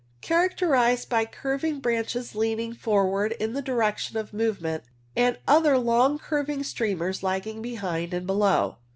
Characterized by curving branches leaning for ward in the direction of movement, and other long curving streamers lagging behind and below.